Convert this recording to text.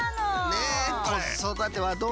ねえこそだてはどう？